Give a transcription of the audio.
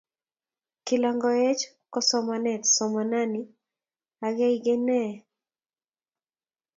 Kila ngoech ko somanet... Somanani akei kenee